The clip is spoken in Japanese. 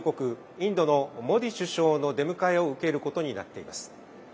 インドのモディ首相の出迎えを受けることになっています。